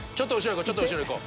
ちょっと後ろいこう。